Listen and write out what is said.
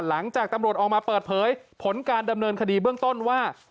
หลังจากตำรวจออกมาเปิดเผยผลการดำเนินคดีเบื้องต้นว่า